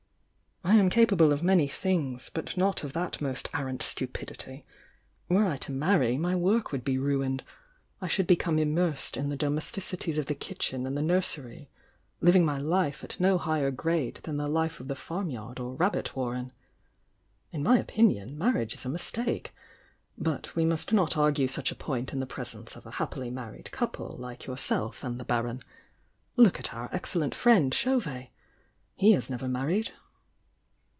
"I am capable of many things, but not of that most arrant stupidity! Were I to marry 148 THE YOUNG DIANA my work would be ruined— I should become im mersed in the domesticities of the kitchen and the nursery, living my life at no higher grade than the life of the farmyard or rabbit warren. In my opm ion, marriage is a mistake,— but we must not argue such a point in the presence of a happily mamed couple like youiself and the Baron. Look at our exceUent friend, Chauvet! He has never mamed.